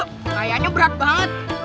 kayaknya berat banget